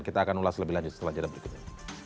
kita akan ulas lebih lanjut setelah jadwal berikutnya